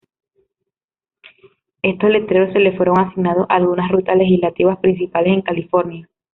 Estos letreros se les fueron asignados a algunas rutas legislativas principales en California.